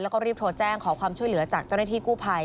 แล้วก็รีบโทรแจ้งขอความช่วยเหลือจากเจ้าหน้าที่กู้ภัย